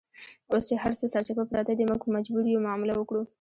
اوس چې هرڅه سرچپه پراته دي، موږ مجبور یو معامله وکړو.